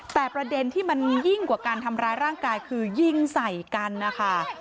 แต่ประเด็นที่มันยิ่งกว่าการทำร้ายร่างกายคือยิงใส่กันนะคะ